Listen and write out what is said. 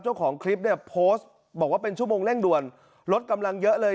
เจ้าของคลิปเนี่ยโพสต์บอกว่าเป็นชั่วโมงเร่งด่วนรถกำลังเยอะเลย